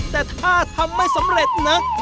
แต่ถ้าทำไม่สำเร็จนะ